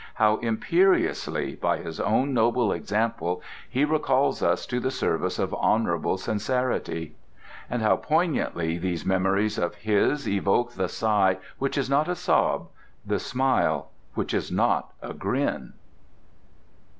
How imperiously, by his own noble example, he recalls us to the service of honourable sincerity. And how poignantly these memories of his evoke the sigh which is not a sob, the smile which is not a grin.